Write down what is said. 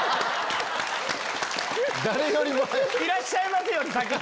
「いらっしゃいませ」より先に。